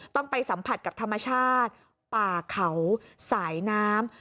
ต้องไปสัมผัสกับธรรมชาติป่าเขาสายน้ำ